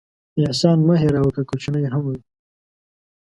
احسان مه هېروه، که کوچنی هم وي.